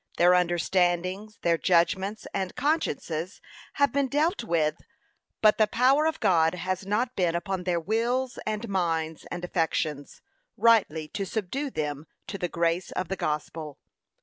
Their understandings, their judgments and consciences have been dealt with, but the power of God has not been upon their wills and minds, and affections, rightly to subdue them to the grace of the gospel.